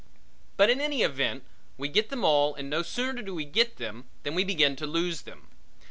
But in any event we get them all and no sooner do we get them than we begin to lose them.